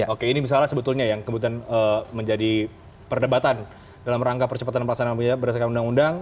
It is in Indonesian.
oke ini misalnya sebetulnya yang kemudian menjadi perdebatan dalam rangka percepatan pelaksanaan berdasarkan undang undang